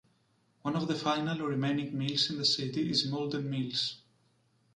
One of the final remaining mills in the city is Malden Mills.